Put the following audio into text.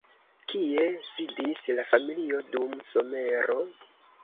Kie sidis la familio dum somero?